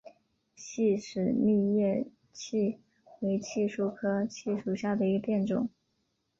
细齿密叶槭为槭树科槭属下的一个变种。